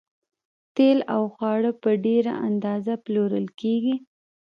تیل او خواړه په ډیره اندازه پلورل کیږي